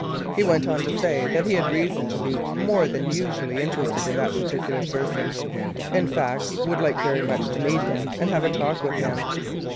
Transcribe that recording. He went on to say that he had reason to be more than usually interested in that particular person; in fact, would like very much to meet him and have a talk with him.